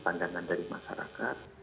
pandangan dari masyarakat